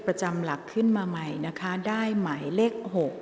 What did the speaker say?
ประจำหลักขึ้นมาใหม่นะคะได้หมายเลข๖